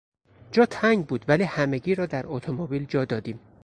جا تنگ بود ولی همگی را در اتومبیل جا دادیم.